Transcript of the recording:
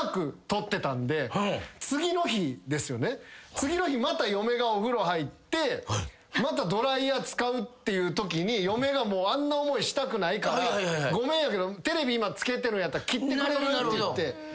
次の日また嫁がお風呂入ってまたドライヤー使うっていうときに嫁がもうあんな思いしたくないから「ごめんやけどテレビ今つけてるんやったら切ってくれる？」って言って。